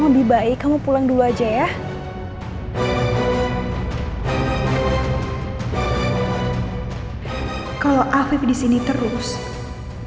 iya udah kebetulan dia kena cuma emos engineers karena ini pengadil itu langsungupin gue kembali nalang kawasan ini